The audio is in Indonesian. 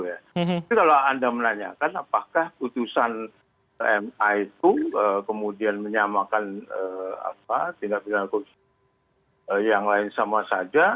tapi kalau anda menanyakan apakah keputusan tmi itu kemudian menyamakan tindak tindak kursi yang lain sama saja